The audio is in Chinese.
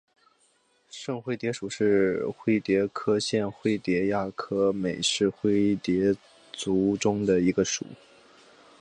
圣灰蝶属是灰蝶科线灰蝶亚科美灰蝶族中的一个属。